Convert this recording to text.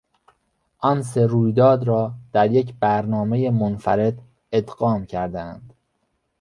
آن سه رویداد را در یک برنامهی منفرد ادغام کردهاند.